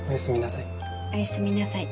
おやすみなさい。